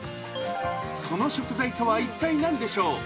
その食材とは一体なんでしょう？